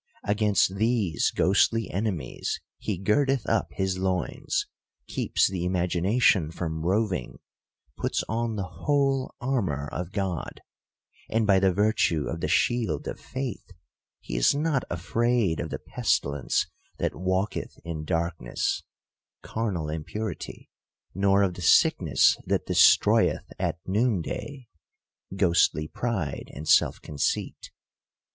Against these ghostly enemies he girdeth up his loins, keeps the imagination from roving, puts on the whole armor of God ; and, by the virtue of the shield of faith, he is not afraid of the pestilence that walketh in darkness, (carnal impurity,) nor of the sickness that destroyeth at noon day, (ghostly pride and self conceit.)